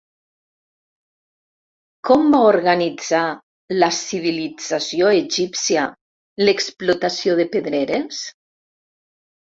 Com va organitzar la civilització egípcia l'explotació de pedreres?